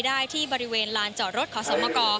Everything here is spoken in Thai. ได้ที่บริเวณลานจอดรถขอสมก